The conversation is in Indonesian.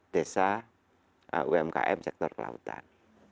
desa umkm sektor pelautan